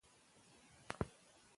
بایسکل چلول د زړه فعالیت ښه کوي.